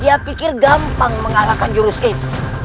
dia pikir gampang mengalahkan jurus game